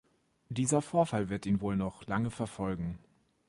Dieser Vorfall wird ihn wohl noch lange verfolgen.